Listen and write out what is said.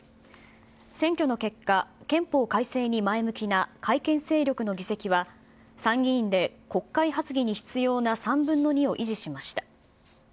選挙の結果、憲法改正に前向きな改憲勢力の議席は、参議院で国会発議に必要な３分の２を維持しました。